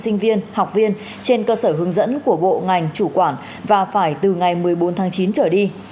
sinh viên học viên trên cơ sở hướng dẫn của bộ ngành chủ quản và phải từ ngày một mươi bốn tháng chín trở đi